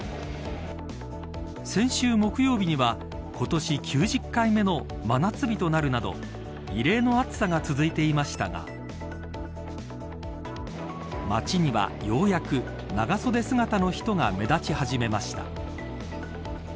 先週木曜日には今年９０回目の真夏日となるなど異例の暑さが続いていましたが街には、ようやく長袖姿の人が目立ち始めました。